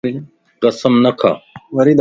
قسم نه کا